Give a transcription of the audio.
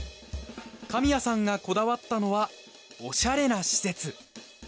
神谷さんがこだわったのはオシャレな施設。